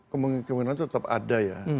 kemungkinan tetap ada ya